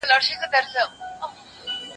زه هره ورځ د سبا لپاره د ليکلو تمرين کوم!؟